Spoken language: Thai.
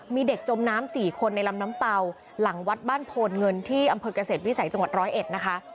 มีเด็กจมน้ำ๔คนในลำน้ำเตาหลังวัดบ้านโพนเงินที่อำเภอกเกษตรวิสัยจังหวัดร้อยเอ็ดนะคะ